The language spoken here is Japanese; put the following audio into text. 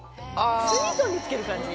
酢みそにつける感じ。